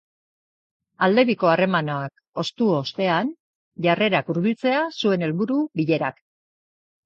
Aldebiko harremanak hoztu ostean jarrerak hurbiltzea zuen helburu bilerak.